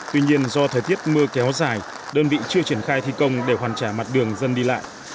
tuy nhiên do thời tiết mưa kéo dài đơn vị chưa triển khai thi công để hoàn trả mặt đường dân đi lại